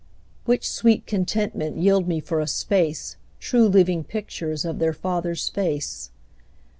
Which sweet contentment yield me for a space, True living pictures of their father's face.